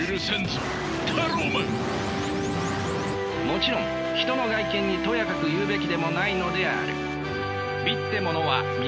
もちろん人の外見にとやかく言うべきでもないのである。